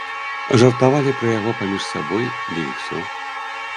Жартавалі пра яго паміж сабой, ды і ўсё.